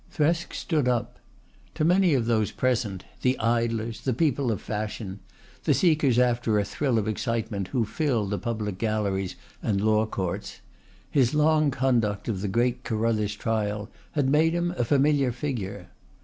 Thresk stood up. To many of those present the idlers, the people of fashion, the seekers after a thrill of excitement who fill the public galleries and law courts his long conduct of the great Carruthers trial had made him a familiar figure.